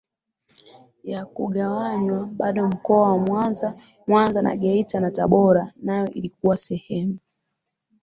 ya kugawanywa bado mkoa wa MwanzaMwanza na Geita na Tabora nayo ilikuwa sehemu